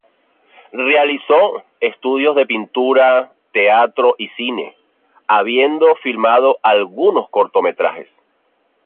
Realizó estudios de pintura, teatro y cine, habiendo filmado algunos cortometrajes.